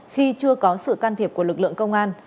khi chưa có sự can thiệp của lực lượng công an